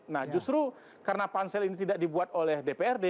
nah justru karena pansel ini tidak dibuat oleh dprd